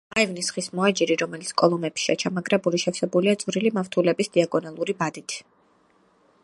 აივნის ხის მოაჯირი, რომელიც კოლომებშია ჩამაგრებული, შევსებულია წვრილი მავთულების დიაგონალური ბადით.